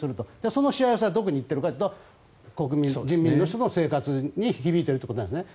そのしわ寄せがどこに行っているかというと国民、人民の生活に響いているということなんですね。